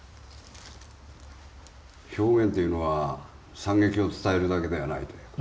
表現というのは惨劇を伝えるだけではないという。